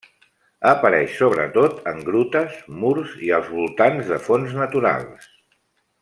Apareix sobretot en grutes, murs i als voltants de fonts naturals.